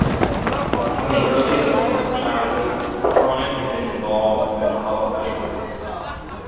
From the earliest points of childhood, Cronin had been involved with mental health specialists.